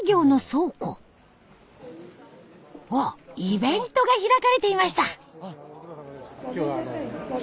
イベントが開かれていました。